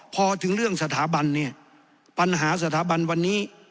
พอถึงเรื่องสถาบันเนี่ยปัญหาสถาบันวันนี้